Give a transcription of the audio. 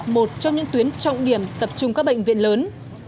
một trong những tuyến trọng điểm tập trung các bệnh viện lớn